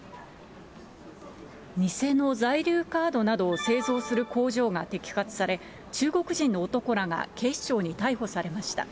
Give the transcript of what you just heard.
偽の在留カードなどを製造する工場が摘発され、中国人の男らが警視庁に逮捕されました。